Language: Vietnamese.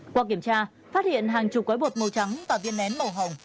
qua kiểm tra phát hiện hàng chục quái bột màu trắng và tiên nén màu hồng